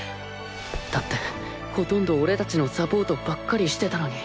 だってほとんど俺達のサポートばっかりしてたのに。